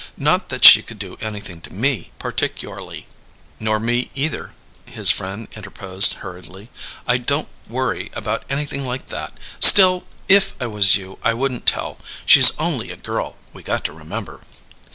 Not that she could do anything to me, particyourly " "Nor me, either," his friend interposed hurriedly. "I don't worry about anything like that! Still, if I was you I wouldn't tell. She's only a girl, we got to remember."